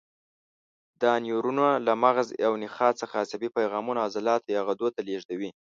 دا نیورونونه له مغز او نخاع څخه عصبي پیغامونه عضلاتو یا غدو ته لېږدوي.